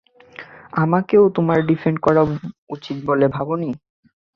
আমাকেও তোমার ডিফেন্ড করা উচিত বলে ভাবোনি?